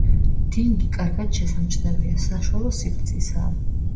დინგი კარგად შესამჩნევია, საშუალო სიგრძისაა.